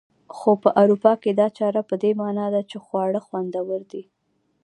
خو په اروپا کې دا چاره په دې مانا ده چې خواړه خوندور دي.